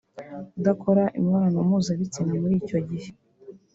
kudakora imibonano mpuzabitsina muri icyo gihe